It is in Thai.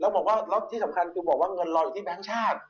แล้วบอกว่าแล้วที่สำคัญคือบอกว่าเงินรออยู่ที่แบงค์ชาติ